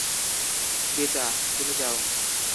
ডেচা, তুমি যাও।